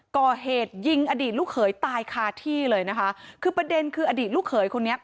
ก่อเหตุยิงอดีตลูกเขยตายคาที่เลยนะคะคือประเด็นคืออดีตลูกเขยคนนี้